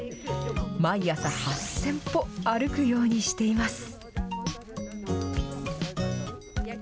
毎朝８０００歩、歩くようにしています。